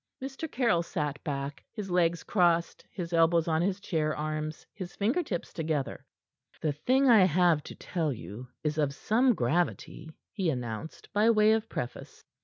Mr. Caryll sat back, his legs crossed, his elbows on his chair arms, his finger tips together. "The thing I have to tell you is of some gravity," he announced by way of preface.